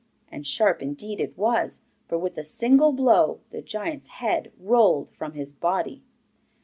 And sharp indeed it was, for with a single blow, the giant's head rolled from his body.